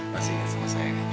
masih ingin semua saya ini